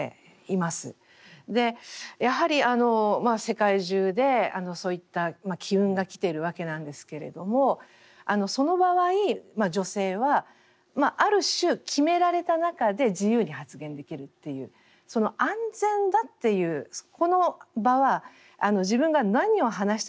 やはり世界中でそういった機運が来てるわけなんですけれどもその場合女性はある種決められた中で自由に発言できるっていうその安全だっていうこの場は自分が何を話しても安全なんだと。